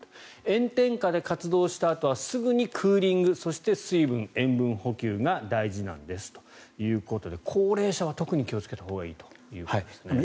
炎天下で活動したあとはすぐにクーリングそして、水分・塩分補給が大事なんですということで高齢者は特に気をつけたほうがいいということですね。